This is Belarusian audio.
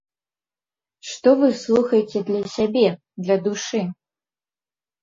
Што вы слухаеце для сябе, для душы?